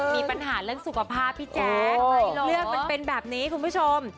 มีปัญหาเรื่องสุขภาพพี่แจ๊คเรื่องมันเป็นแบบนี้คุณผู้ชม